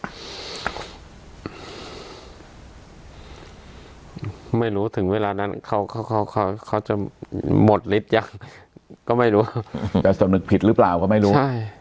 มันไม่รู้ถึงเวลานั้นเขาจะหมดลิศอย่างก็ไม่รู้